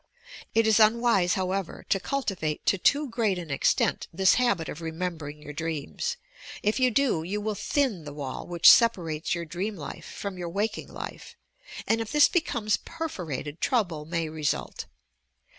It is un wise, however, to cultivate to too great an extent this habit of remembering your dreams. If you do, you will thin the wall which separates your dream life from your waking life, and if this becomes "perforated," trouble may result.